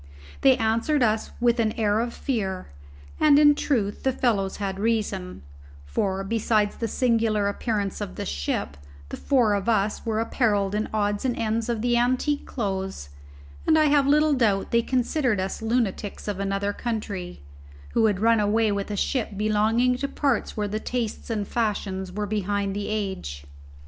They answered us with an air of fear, and in truth the fellows had reason; for, besides the singular appearance of the ship, the four of us were apparelled in odds and ends of the antique clothes, and I have little doubt they considered us lunatics of another country, who had run away with a ship belonging to parts where the tastes and fashions were behind the age.